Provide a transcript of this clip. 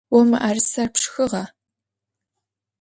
О мыӏэрысэр пшхыгъа?